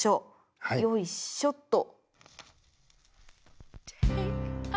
よいしょっと。